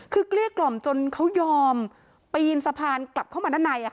คือเกลี้ยกล่อมจนเขายอมปีนสะพานกลับเข้ามาด้านใน